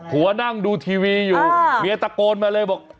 หัวนั่งดูทีวีอยู่เมียตะโกนมาเลยบอก